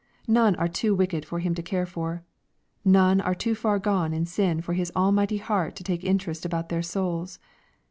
None are too wicked for Him to care for. None are too far gone in sin for his almighty heart to take interest about their souls.